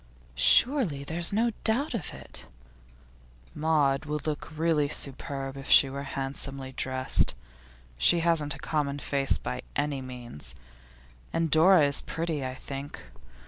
'Surely there's no doubt of it.' 'Maud would look really superb if she were handsomely dressed. She hasn't a common face, by any means. And Dora is pretty, I think.